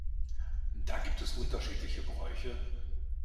Da gibt es unterschiedliche Bräuche.